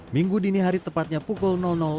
minggu dini hari tepatnya pukul tiga puluh